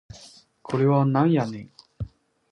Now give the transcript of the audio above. これはなんやねん